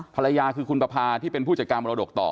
ภรรยาคือคุณประพาที่เป็นผู้จัดการมรดกต่อ